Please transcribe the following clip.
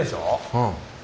うん。